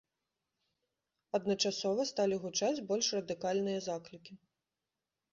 Адначасова сталі гучаць больш радыкальныя заклікі.